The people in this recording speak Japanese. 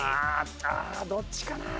ああどっちかな？